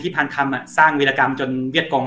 ที่พาลคำสร้างวีรกรรมจนเวียดกง